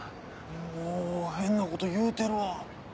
もう変なこと言うてるわ。